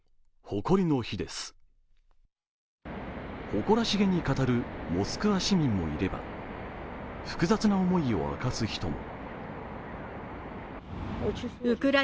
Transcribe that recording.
誇らしげに語るモスクワ市民もいれば、複雑な思いを明かす人も。